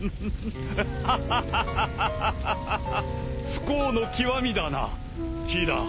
不幸の極みだなキラー。